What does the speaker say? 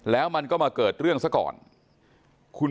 ไม่ตั้งใจครับ